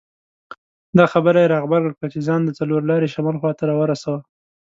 دا خبره یې را غبرګه کړه چې ځان د څلور لارې شمال خواته راورساوه.